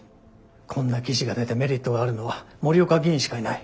こんな記事が出てメリットがあるのは森岡議員しかいない。